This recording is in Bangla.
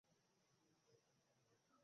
ঠিক তখনি কলটা ডিসকানেক্ট হয়ে গেল।